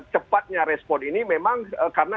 cepatnya respon ini memang karena